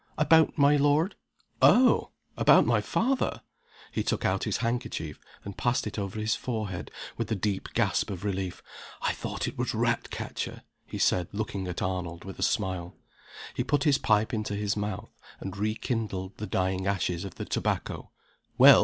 "About my lord." "Oh! About my father?" He took out his handkerchief, and passed it over his forehead, with a deep gasp of relief. "I thought it was Ratcatcher," he said, looking at Arnold, with a smile. He put his pipe into his mouth, and rekindled the dying ashes of the tobacco. "Well?"